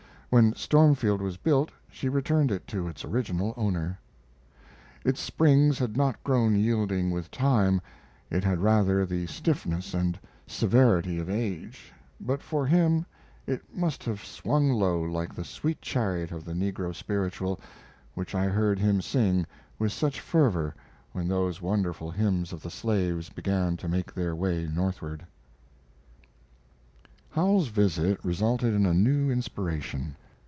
When Stormfield was built she returned it to its original owner.] Its springs had not grown yielding with time, it had rather the stiffness and severity of age; but for him it must have swung low like the sweet chariot of the negro "spiritual" which I heard him sing with such fervor when those wonderful hymns of the slaves began to make their way northward. Howells's visit resulted in a new inspiration.